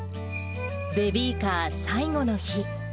ベビーカー最後の日。